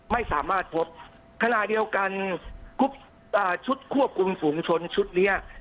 ไม่สามารถพบขณะเดียวกันชุดควบคุมฝูงชนชุดเนี้ย